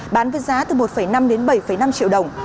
bán với giá từ một năm đến bảy năm triệu đồng